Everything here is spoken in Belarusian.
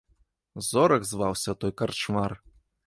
Зорах зваўся той карчмар.